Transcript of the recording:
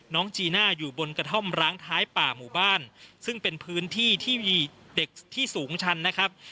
จีน่าอยู่บนกระท่อมร้างท้ายป่าหมู่บ้านซึ่งเป็นพื้นที่ที่มีเด็กที่สูงชันนะครับ